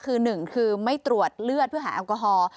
คือหนึ่งคือไม่ตรวจเลือดเพื่อหาแอลกอฮอล์